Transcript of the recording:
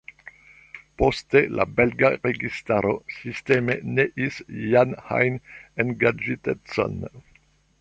Poste la belga registaro sisteme neis ian ajn engaĝitecon.